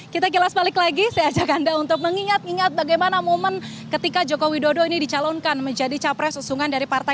kita kilas balik lagi saya ajak anda untuk mengingat ingat bagaimana momen ketika joko widodo ini dicalonkan menjadi capres usungan dari partai